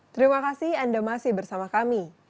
terima kasih anda masih bersama kami